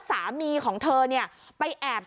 สามีของเธอเนี่ยไปแอบ